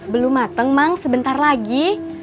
belum mateng mang sebentar lagi